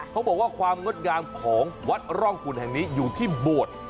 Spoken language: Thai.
เขาบอกว่าความงดงามของวัดร่องคุณแห่งนี้อยู่ที่โบสถ์